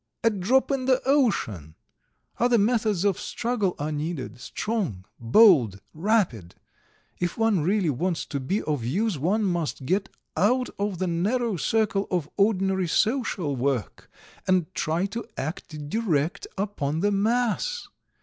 A drop in the ocean! Other methods of struggle are needed, strong, bold, rapid! If one really wants to be of use one must get out of the narrow circle of ordinary social work, and try to act direct upon the mass!